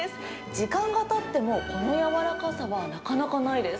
時間がたってもこの柔らかさはなかなかないです。